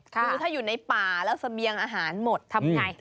คือถ้าอยู่ในป่าแล้วเสบียงอาหารหมดทำไง